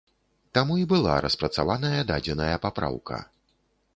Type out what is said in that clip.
Таму і была распрацаваная дадзеная папраўка.